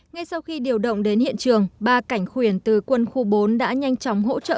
ngay sau khi điều động đến hiện trường ba cảnh khuyển từ quân khu bốn đã nhanh chóng hỗ trợ